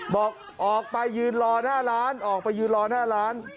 บอกออกไปยืนรอหน้าร้านออกไปยืนรอหน้าร้าน